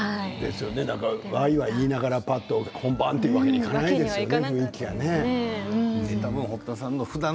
わいわい言いながらぱっと本番というわけにはいかないですよね。